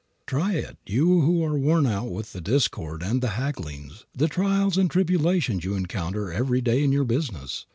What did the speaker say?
Try it you who are worn out with the discord and the hagglings, the trials and tribulations you encounter every day in your business.